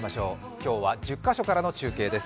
今日は１０カ所からの中継です。